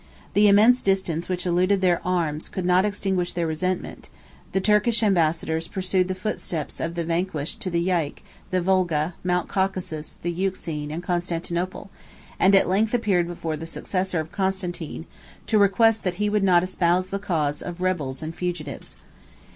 35 The immense distance which eluded their arms could not extinguish their resentment: the Turkish ambassadors pursued the footsteps of the vanquished to the Jaik, the Volga, Mount Caucasus, the Euxine and Constantinople, and at length appeared before the successor of Constantine, to request that he would not espouse the cause of rebels and fugitives.